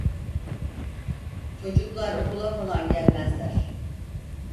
Çocuklar okula falan gelmezler.